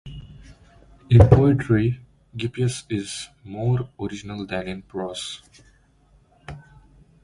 In poetry Gippius is more original than in prose.